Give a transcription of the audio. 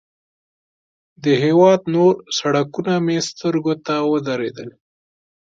د هېواد نور سړکونه مې سترګو ته ودرېدل.